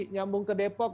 nyambung ke depok